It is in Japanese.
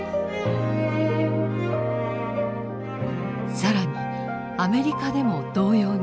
更にアメリカでも同様に調査。